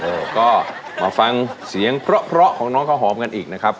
เออก็มาฟังเสียงเพราะของน้องข้าวหอมกันอีกนะครับ